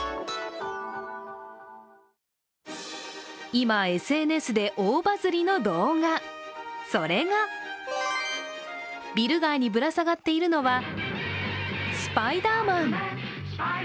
今、ＳＮＳで大バズりの動画、それがビル街にぶら下がっているのはスパイダーマン。